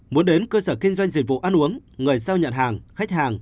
muốn đến cơ sở kinh doanh dịch vụ ăn uống người giao nhận hàng khách hàng